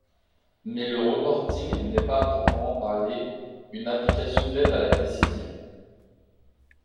Mais le reporting n'est pas à proprement parler une application d'aide à la décision.